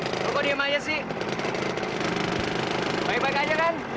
nanti aku kembali keishop sst